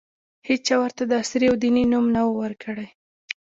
هېچا ورته د عصري او دیني نوم نه ؤ ورکړی.